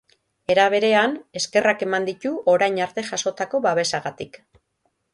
Era berean, eskerrak eman ditu orain arte jasotako babesagatik.